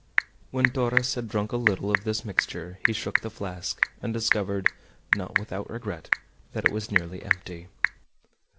When Torres had drunk a little of this mixture he shook the flask, and discovered, not without regret, that it was nearly empty.